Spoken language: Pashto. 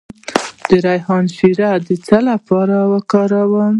د ریحان شیره د څه لپاره وکاروم؟